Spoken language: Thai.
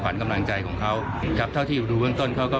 ขวัญกำลังใจของเขาครับเท่าที่ดูเบื้องต้นเขาก็